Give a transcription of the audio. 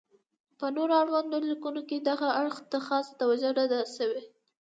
په نور اړوندو لیکنو کې دغې اړخ ته خاصه توجه نه ده شوې.